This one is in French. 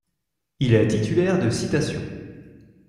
Il est titulaire de citations.